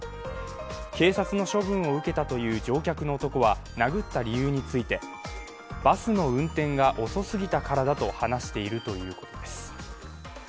警察の処分を受けたという乗客の男は殴った理由についてバスの運転が遅すぎたからだと話しているということです。